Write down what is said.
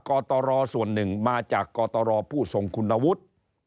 กตรส่วนหนึ่งมาจากกตรผู้ทรงคุณวุฒิ